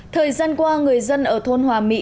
thời gian qua người dân ở thôn hòa mỹ